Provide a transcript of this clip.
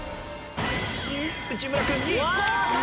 内村君２位。